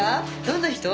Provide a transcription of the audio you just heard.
どんな人？